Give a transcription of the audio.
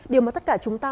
điều mà tất cả chúng ta